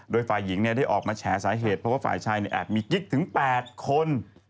คุณฝ่ายหญิงเนี่ยได้ออกมาแชร์สาเหตุเพราะว่าฝ่ายชายเนี่ยแอบมีกิ๊กถึง๘คน